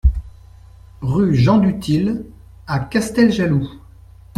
Rue Jean Duthil à Casteljaloux